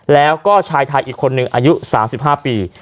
แล้วก็ชายไทยอีกคนนึงอายุ๓๕ปี